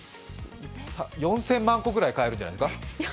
４０００万個くらい買えるんじゃないですか？